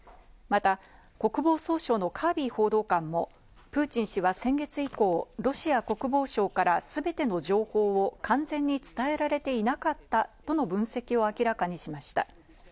また国防総省のカービー報道官もプーチン氏は先月以降、ロシア国防省からすべての情報を完全に伝えられていなかったとの分析を明らかにしました。